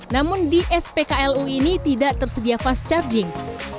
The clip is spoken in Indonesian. namun di spklu ini tidak tersedia fast charging